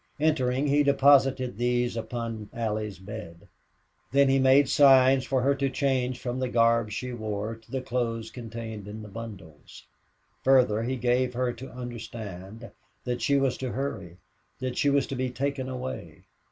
Entering, he deposited these upon Allie's bed. Then he made signs for her to change from the garb she wore to the clothes contained in the bundles. Further, he gave her to understand that she was to hurry, that she was to be taken away.